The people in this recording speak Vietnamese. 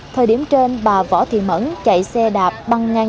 thời điểm trên bà võ thị mẫn chạy xe đạp băng ngang